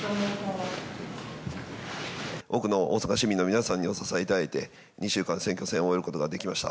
多くの大阪市民の皆さんにお支えいただいて、２週間の選挙戦を終えることができました。